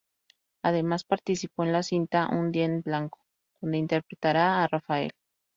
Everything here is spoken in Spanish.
Además participó en la cinta "Un día en blanco" donde interpretará a Rafael.